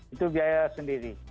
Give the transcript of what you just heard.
itu biaya sendiri